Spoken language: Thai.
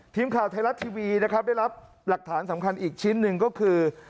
ทีมข่าวไทยรัฐทีวีนะครับได้รับหลักฐานสำคัญอีกชิ้นหนึ่งก็คือ